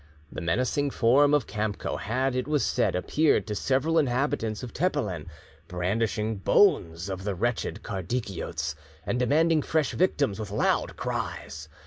The menacing form of Kamco had, it was said, appeared to several inhabitants of Tepelen, brandishing bones of the wretched Kardikiotes, and demanding fresh victims with loud cries.